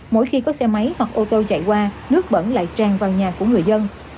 mỗi khi có xe máy hoặc ô tô chạy qua nước bẩn lại tràn vào nhà của người dân